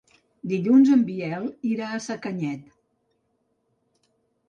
Dilluns en Biel irà a Sacanyet.